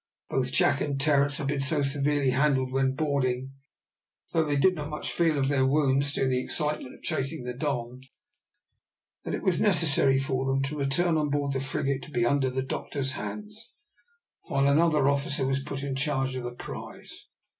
Both Jack and Terence had been so severely handled when boarding, though they did not feel much of their wounds during the excitement of chasing the Don, that it was necessary for them to return on board the frigate to be under the doctor's hands, while another officer was put in charge of the prize.